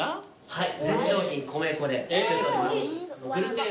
はい。